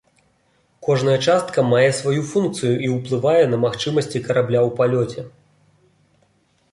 Кожная частка мае сваю функцыю і ўплывае на магчымасці карабля ў палёце.